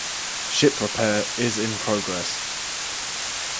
Ship repair is in progress.